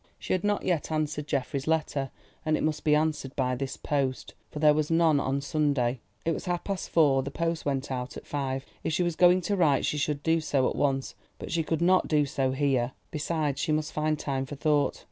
She had not yet answered Geoffrey's letter, and it must be answered by this post, for there was none on Sunday. It was half past four—the post went out at five; if she was going to write, she should do so at once, but she could not do so here. Besides, she must find time for thought.